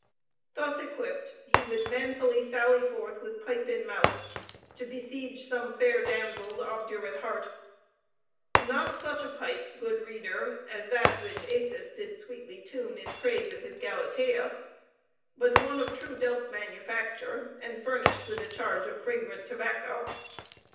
Thus equipped, he would manfully sally forth with pipe in mouth to besiege some fair damsel's obdurate heart not such a pipe, good reader, as that which Acis did sweetly tune in praise of his Galatea, but one of true delf manufacture, and furnished with a charge of fragrant tobacco.